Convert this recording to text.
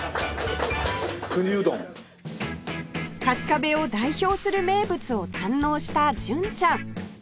春日部を代表する名物を堪能した純ちゃん